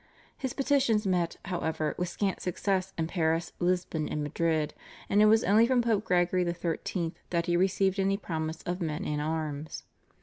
His petitions met, however, with scant success in Paris, Lisbon, and Madrid, and it was only from Pope Gregory XIII. that he received any promise of men and arms.